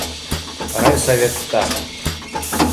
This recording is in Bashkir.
Райсоветта